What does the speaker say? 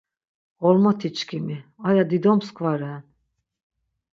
Ğormotiçkimi, aya dido mskva ren.